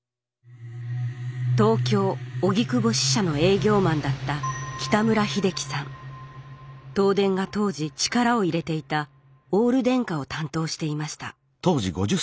東京荻窪支社の営業マンだった東電が当時力を入れていたオール電化を担当していました